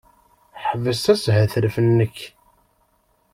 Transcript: Ḥbes ashetref-nnek!